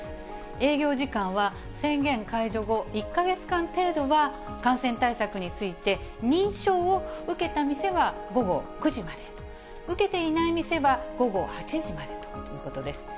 営業時間は宣言解除後、１か月間程度は感染対策について、認証を受けた店は午後９時まで、受けていない店は午後８時までということです。